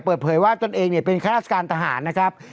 เปิดเผยว่าตัวเองเป็นค่านาศการทหารนะครับ